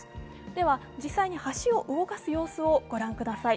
では実際に橋を動かす様子をご覧ください。